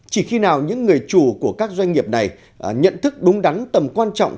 chỉ khi nào những người chủ của các doanh nghiệp này nhận thức đúng đắn tầm quan trọng